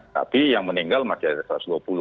tapi yang meninggal masih ada satu ratus dua puluh